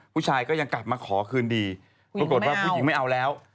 ผู้ชายก็ยังกลับมาขอคืนดีปรากฏว่าผู้หญิงไม่เอาแล้ว